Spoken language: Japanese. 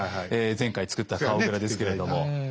前回作った顔グラですけれども。